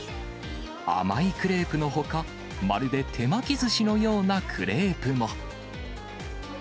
甘いクレープのほか、まるで手巻きずしのようなクレープも。